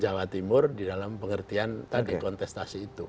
jawa timur di dalam pengertian tadi kontestasi itu